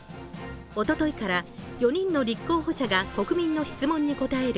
おとといから４人の立候補者が国民の質問に答える